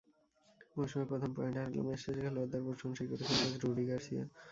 মৌসুমে প্রথম পয়েন্ট হারালেও ম্যাচ শেষে খেলোয়াড়দের প্রশংসাই করেছেন কোচ রুডি গার্সিয়া।